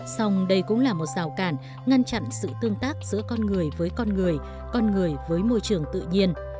xong đây cũng là một rào cản ngăn chặn sự tương tác giữa con người với con người con người với môi trường tự nhiên